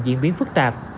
diễn biến phức tạp